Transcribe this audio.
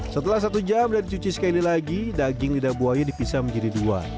setelah satu jam dan dicuci sekali lagi daging lidah buaya dipisah menjadi dua